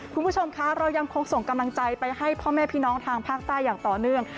คุณผู้ชมคะเรายังคงส่งกำลังใจไปให้พ่อแม่พี่น้องทางภาคใต้อย่างต่อเนื่อง